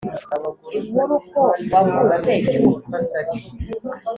inkuru ko wavutse cyuzuzo